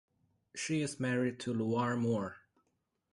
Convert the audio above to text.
She is married to Lorie Moore.